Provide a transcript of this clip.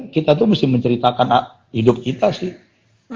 kita tuh mesti menceritakan hidup kita sih